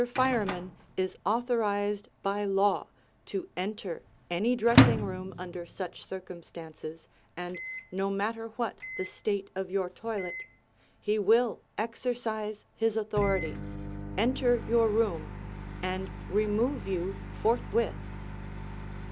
Fireman is authorized by law to enter any dressing room under such circumstances, and no matter what the state of your toilet, he will exercise his authority, enter your room and remove you forthwith.